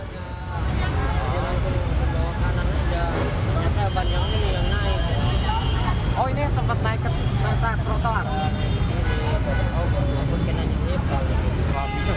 kaca depan sebuah sedan pecah setelah terkena batu yang diduga jatuh dari perlintas